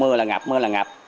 mưa là ngập mưa là ngập